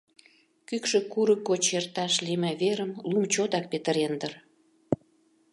Кӱкшӧ курык гоч эрташ лийме верым лум чотак петырен дыр.